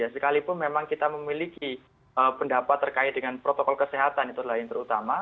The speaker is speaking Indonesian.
sekalipun memang kita memiliki pendapat terkait dengan protokol kesehatan itu adalah yang terutama